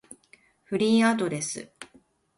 フリーアドレス